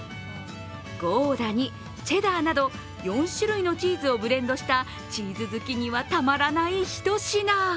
ゴーダにチェダーなど４種類のチーズをブレンドしたチーズ好きにはたまらないひと品。